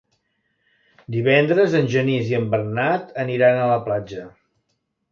Divendres en Genís i en Bernat aniran a la platja.